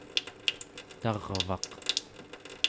tarvaq